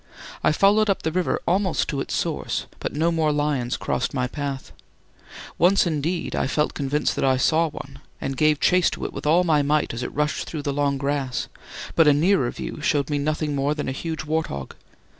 I followed up the river almost to its source, but no more lions crossed my path. Once indeed I felt convinced that I saw one, and gave chase to it with all my might as it rushed through the long grass: but a nearer view showed me nothing more than a huge wart hog.